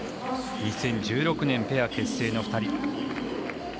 ２０１６年、ペア結成の２人。